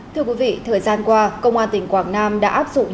thưa quý vị thời gian qua công an tỉnh quảng nam đã áp dụng